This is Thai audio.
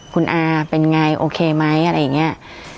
คุณอาเป็นไงโอเคไหมอะไรอย่างนี้